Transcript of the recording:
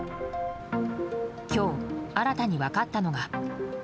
今日、新たに分かったのが。